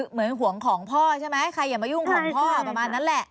ห่วงของพ่อใช่ไหมใครอย่ามายุ่งของพ่อประมาณนั้นแหละ